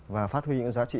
và phát huy những giá trị